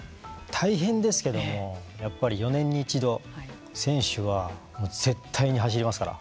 大変ですけどもやっぱり４年に一度選手は絶対に走りますから。